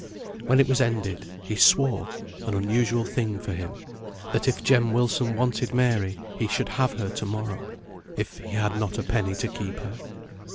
When it was ended, he swore (an unusual thing for him) that if Jem Wilson wanted Mary he should have her to morrow, if he had not a penny to keep her.